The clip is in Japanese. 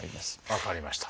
分かりました。